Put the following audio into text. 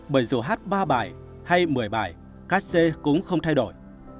bởi dù hát ba bài hay một mươi bài các xe cũng không thay đổi